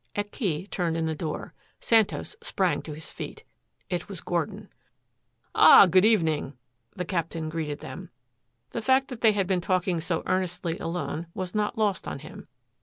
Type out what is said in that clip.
A key turned in the door. Santos sprang to his feet. It was Gordon. "Ah, good evening," the Captain greeted them. The fact that they had been talking so earnestly alone was not lost on him.